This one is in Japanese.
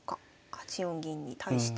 ８四銀に対して。